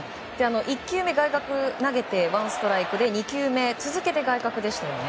１球目外角に投げてワンストライクで２球目、続けて外角でしたよね。